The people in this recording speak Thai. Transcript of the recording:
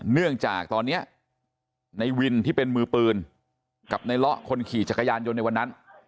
เนื่องจากตอนนี้ในวินที่เป็นมือปืนกับในเลาะคนขี่จักรยานยนต์ในวันนั้น